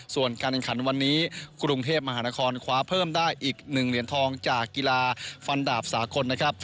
ส่วนการแข่งขันวันนี้กรุงเทพมหานครคว้าเพิ่มได้อีก๑เหรียญทองจากกีฬาฟันดาบสากลนะครับ